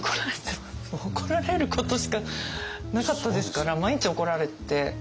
もう怒られることしかなかったですから毎日怒られて。